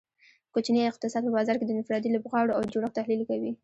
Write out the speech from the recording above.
کوچنی اقتصاد په بازار کې د انفرادي لوبغاړو او جوړښت تحلیل کوي